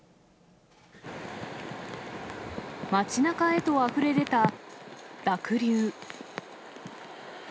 街なかへとあふれ出た濁流。